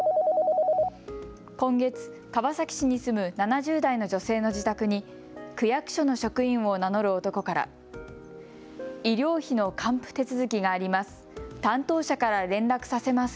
今月、川崎市に住む７０代の女性の自宅に区役所の職員を名乗る男から医療費の還付手続きがあります。